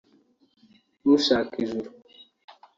ushaka ijuru